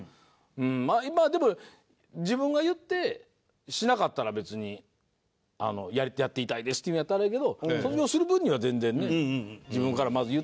まあでも自分が言ってしなかったら別にやっていたいですって言うんやったらええけど卒業する分には全然ね。